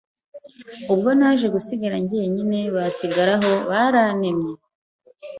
Ubwo naje gusigara njyenyine basigaraho barantemye